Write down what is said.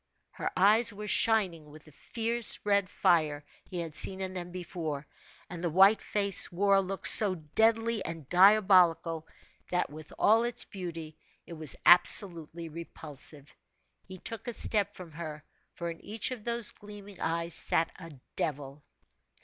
Her eyes were shining with the fierce red fire he had seen in them before, and the white face wore a look so deadly and diabolical that, with all its beauty, it was absolutely repulsive. He took a step from her for in each of those gleaming eyes sat a devil.